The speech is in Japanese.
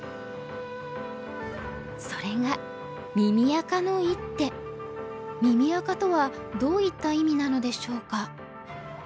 それが「耳赤」とはどういった意味なのでしょうか。